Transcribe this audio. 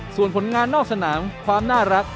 ส่วนผลงานนอกสนามความน่ารัก